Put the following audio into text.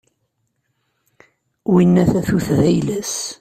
Winna tatut d ayla-s.